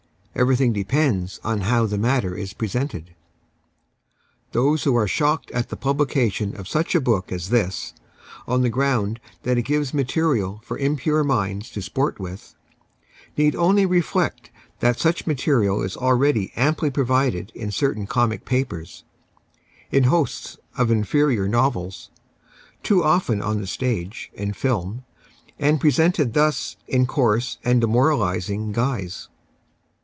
Everything depends on how the matter is presented. Those who are shocked at the publication of such a book as this on the ground that it gives material for impure minds to sport with, need only reflect that such material is already amply provided in certain comic papers, in hosts of inferior novels, too often on the stage and film, and presented thus in coarse and demoralising guise.